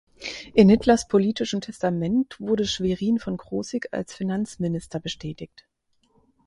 In Hitlers politischem Testament wurde Schwerin von Krosigk als Finanzminister bestätigt.